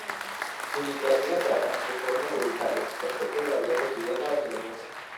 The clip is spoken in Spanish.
Su literatura trata, de forma mayoritaria, de aspectos de la vida cotidiana barcelonesa.